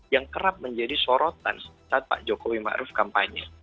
yang kerap menjadi sorotan saat pak jokowi ma'ruf kampanye